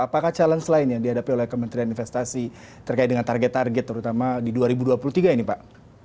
apakah challenge lain yang dihadapi oleh kementerian investasi terkait dengan target target terutama di dua ribu dua puluh tiga ini pak